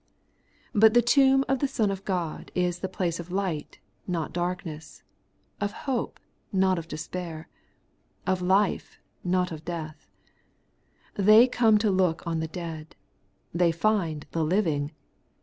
But the tomb of the Son of God is the place of light, not of darkness ; of hope, not of despair ; of life, not of deatL They come to look on the dead, they find the living.